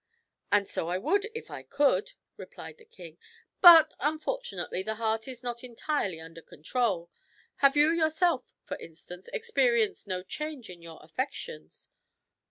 "And so I would, if I could," replied the king; "but unfortunately the heart is not entirely under control. Have you yourself, for instance, experienced no change in your affections?"